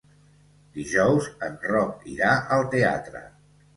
Dijous en Roc irà al teatre.